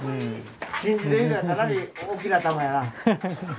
真珠で言うたらかなり大きな珠やな。